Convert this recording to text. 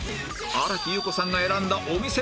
新木優子さんが選んだお店は？